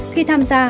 khi tham gia